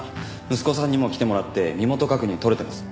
息子さんにも来てもらって身元確認とれてます。